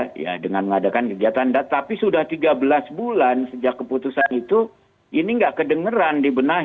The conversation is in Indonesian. hmm hmm ya ya dengan mengadakan kegiatan tapi sudah tiga belas bulan sejak keputusan itu ini tidak kedengeran di pemerintah